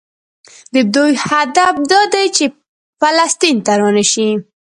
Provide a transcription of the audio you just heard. د دوی هدف دا دی چې فلسطین ته رانشي.